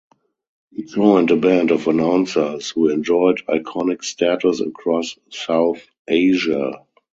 He joined a band of announcers who enjoyed iconic status across South Asia.